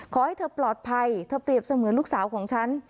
ขอให้เธอปลอดภัยเธอเปรียบเสมือนลูกสาวของฉัน